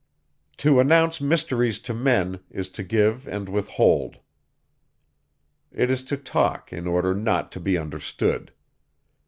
To announce mysteries to men, is to give and withhold; it is to talk in order not to be understood.